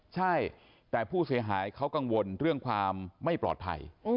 ใช่แต่ผู้เสียหายเขากังวลเรื่องความไม่ปลอดภัย